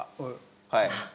はい。